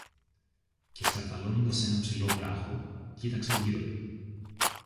Και σκαρφαλώνοντας σ' έναν ψηλό βράχο, κοίταξε γύρω του.